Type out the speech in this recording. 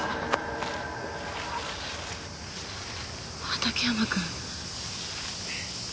畑山君。